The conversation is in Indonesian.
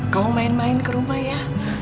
kamu main main ke rumah ya